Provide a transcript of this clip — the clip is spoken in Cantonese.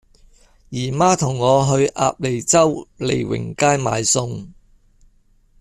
姨媽同我去鴨脷洲利榮街買餸